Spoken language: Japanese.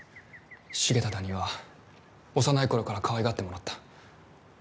重忠には幼い頃からかわいがってもらった。